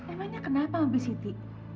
emangnya kenapa ma bisiti